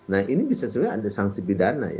nah ini bisa sebenarnya ada sanksi pidana ya